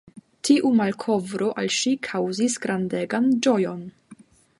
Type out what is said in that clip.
Tiu malkovro al ŝi kaŭzis grandegan ĝojon.